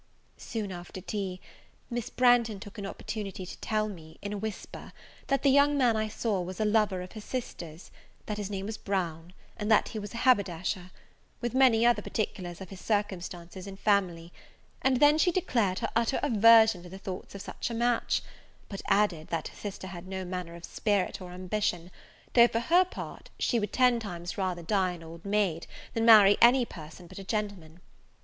Soon after tea, Miss Branghton took an opportunity to tell me, in a whisper, that the young man I saw was a lover of her sister's, that his name was Brown, and that he was a haberdasher: with many other particulars of his circumstances and family; and then she declared her utter aversion to the thoughts of such a match; but added, that her sister had no manner of spirit or ambition, though, for her part, she would ten times rather die an old maid, than marry any person but a gentleman.